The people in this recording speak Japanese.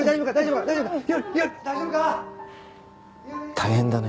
大変だね。